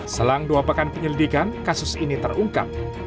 selang dua pekan penyelidikan kasus ini terungkap